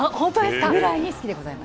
そのぐらいに好きでございます。